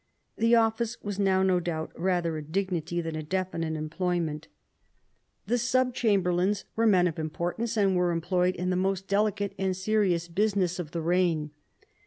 The office was now, no doubt, rather a dignity than a definite employment. The sub chamberlains 128 PHILIP AUGUSTUS chap. were men of importance, and were employed in the most delicate and serious business of the reign.